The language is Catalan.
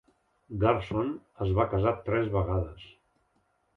Garson es va casar tres vegades.